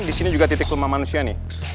disini juga titik kelemahan manusia nih